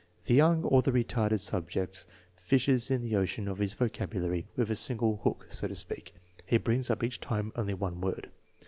The young or the re tarded subject fishes in the ocean of his vocabulary with a single hook, so to speak. He brings up each time only one word.